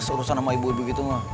males urusan sama ibu ibu gitu mah